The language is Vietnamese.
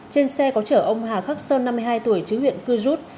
trên xe có chở ông hà khắc sơn năm mươi hai tuổi chú huyện cư rút